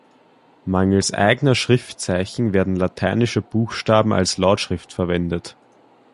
Mangels eigener Schriftzeichen werden lateinische Buchstaben als Lautschrift verwendet.